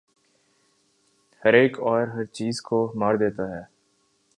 ہر ایک اور ہر چیز کو مار دیتا ہے